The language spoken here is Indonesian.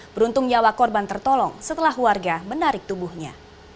beruntung nyawa korban tertolong setelah warga menarik tubuhnya